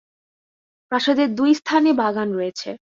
প্রাসাদের দুই স্থানে বাগান রয়েছে।